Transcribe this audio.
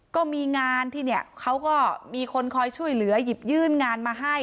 ก็มีงานที่เนี่ยเขาก็มีคนคอยช่วยเหลือหยิบยื่นงานมาให้